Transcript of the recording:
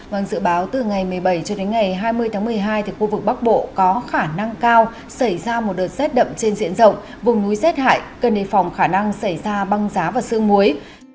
vâng dự báo từ ngày một mươi bảy cho đến ngày hai mươi tháng một mươi hai thì khu vực bắc bộ có khả năng cao xảy ra một đợt rét đậm trên diện rộng vùng núi rét hại cần đề phòng khả năng xảy ra băng giá và sương muối